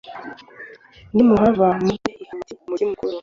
nimuhava mujye i Hamati umugi mukuru,